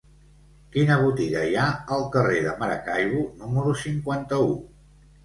Quina botiga hi ha al carrer de Maracaibo número cinquanta-u?